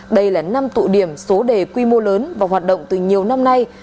đây là năm tụ điểm số đề quy mô lớn và hoạt động từ nhiều năm nay